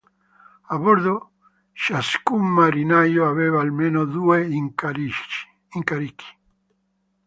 A bordo ciascun marinaio aveva almeno due incarichi.